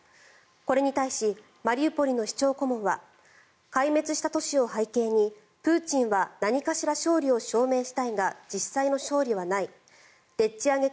これに対しマリウポリの市長顧問は壊滅した都市を背景にプーチンは何かしら勝利を示したいが実際の勝利はないでっち上げ